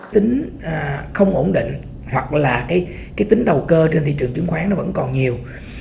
tính không ổn định hoặc là tính đầu cơ trên thị trường chiến khoán vẫn còn nhiều